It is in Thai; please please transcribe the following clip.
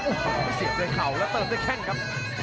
โอ้โหเสียบด้วยเข่าแล้วเติมด้วยแข้งครับ